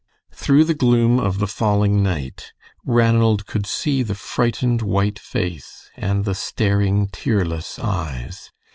Through the gloom of the falling night Ranald could see the frightened white face and the staring, tearless eyes.